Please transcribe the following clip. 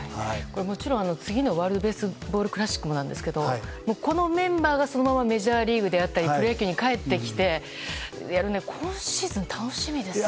もちろん、次のワールド・ベースボール・クラシックもですがこのメンバーがそのままメジャーリーグであったりプロ野球に帰ってきてやるのは今シーズン楽しみですね。